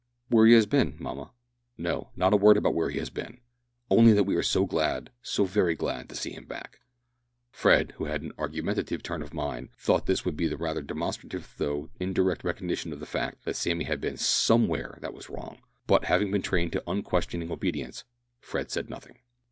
"Where he has been, mamma." "No, not a word about where he has been; only that we are so glad, so very glad, to see him back." Fred, who had an argumentative turn of mind, thought that this would be a rather demonstrative though indirect recognition of the fact that Sammy had been somewhere that was wrong, but, having been trained to unquestioning obedience, Fred said nothing.